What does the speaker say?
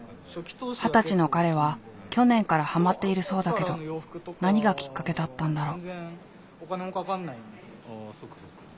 二十歳の彼は去年からハマっているそうだけど何がきっかけだったんだろう？